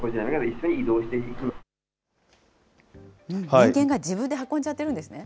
人間が自分で運んじゃってるんですね。